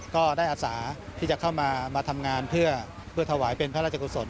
ก็ได้อาสาที่จะเข้ามาทำงานเพื่อถวายเป็นพระราชกุศล